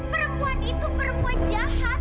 perempuan itu perempuan jahat